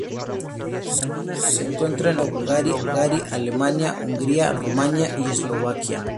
Se encuentra en Austria, Bulgaria, Alemania, Hungría Rumania y Eslovaquia.